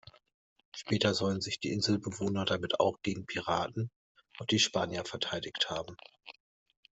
Später sollen sich die Inselbewohner damit auch gegen Piraten und die Spanier verteidigt haben.